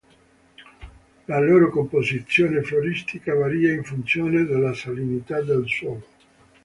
La loro composizione floristica varia in funzione della salinità del suolo.